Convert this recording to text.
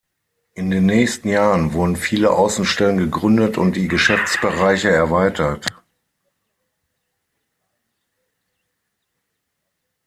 In den nächsten Jahren wurden viele Außenstellen gegründet und die Geschäftsbereiche erweitert.